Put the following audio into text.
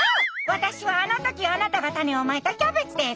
私はあの時あなたが種をまいたキャベツです。